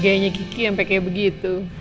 gayanya kiki sampe kaya begitu